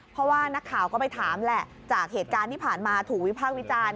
เพราะว่านักข่าวก็ไปถามแหละจากเหตุการณ์ที่ผ่านมาถูกวิพากษ์วิจารณ์